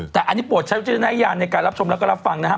แต่อันนี้ปวดชัยจะได้อย่างในการรับชมและก็รับฟังนะฮะ